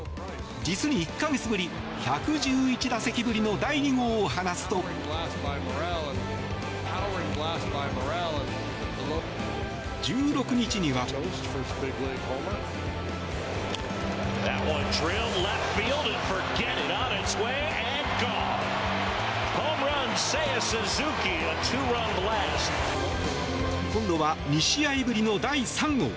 実に１か月ぶり１１１打席ぶりの第２号を放つと１６日には。今度は２試合ぶりの第３号。